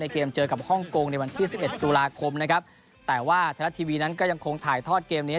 เกมเจอกับฮ่องกงในวันที่สิบเอ็ดตุลาคมนะครับแต่ว่าไทยรัฐทีวีนั้นก็ยังคงถ่ายทอดเกมนี้